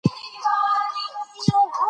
اداري اصول د ادارې د کړنو معیار دي.